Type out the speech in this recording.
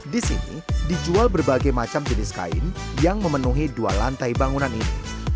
di sini dijual berbagai macam jenis kain yang memenuhi dua lantai bangunan ini